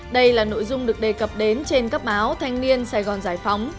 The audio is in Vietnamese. đây là nội dung được đề cập đến trên các báo thanh niên sài gòn giải phóng